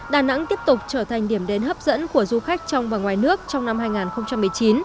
đà nẵng tiếp tục trở thành điểm đến hấp dẫn của du khách trong và ngoài nước trong năm hai nghìn một mươi chín